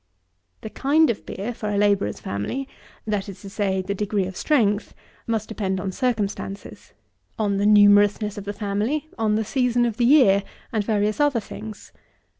The kind of beer, for a labourer's family, that is to say, the degree of strength, must depend on circumstances; on the numerousness of the family; on the season of the year, and various other things.